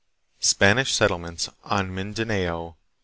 Spanish Settlements on Mindanao.